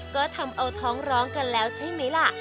ก็ทำเอาท้องร้องกันแล้วใช่ไหมล่ะ